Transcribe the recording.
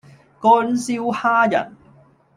乾燒蝦仁